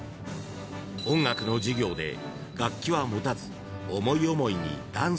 ［音楽の授業で楽器は持たず思い思いにダンス］